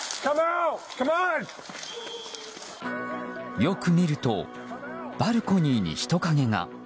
よく見るとバルコニーに人影が。